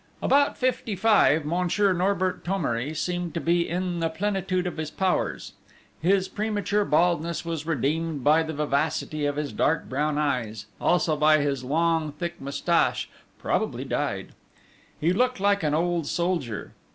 About fifty five, Monsieur Norbert Thomery seemed to be in the plenitude of his powers; his premature baldness was redeemed by the vivacity of his dark brown eyes, also by his long, thick moustache, probably dyed. He looked like an old soldier.